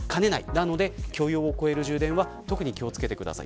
なので許容を超える充電は特に気を付けてください。